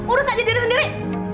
urus aja diri sendiri